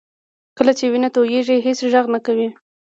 کله چې وینه تویېږي هېڅ غږ نه کوي